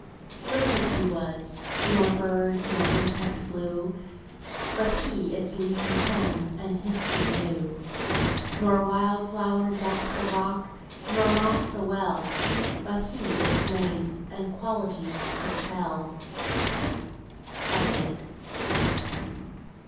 Learned he was; nor bird, nor insect flew, But he its leafy home and history knew; Nor wild flower decked the rock, nor moss the well, But he its name and qualities could tell. ELLIOTT.